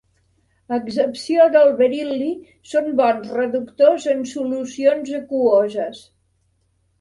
A excepció del beril·li són bons reductors en solucions aquoses.